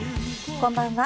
こんばんは。